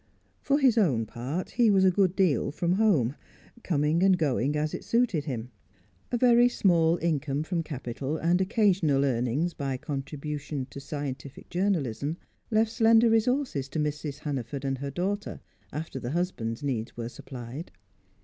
For his own part, he was a good deal from home, coming and going as it suited him; a very small income from capital, and occasional earnings by contribution to scientific journalism, left slender resources to Mrs. Hannaford and her daughter after the husband's needs were supplied.